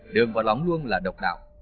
đường vào lóng luông là độc đạo